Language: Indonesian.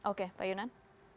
oke pak yunan